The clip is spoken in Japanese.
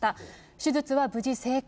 手術は無事成功。